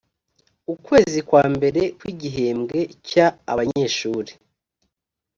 ukwezi kwa mbere kw igihembwe cya abanyeshuri